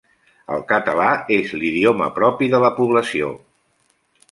El català és l'idioma propi de la població.